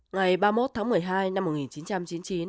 ngày ba mươi một tháng một mươi hai năm một nghìn chín trăm chín mươi chín